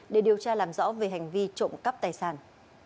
để điều tra làm rõ về hành vi trộm cắp tài sản